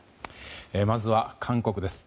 まずは韓国です。